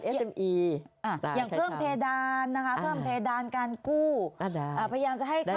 เพื่อให้เข้าถึงเงินกู้ได้ไง